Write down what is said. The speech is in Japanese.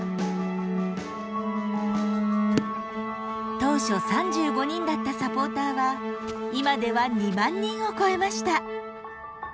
当初３５人だったサポーターは今では２万人を超えました。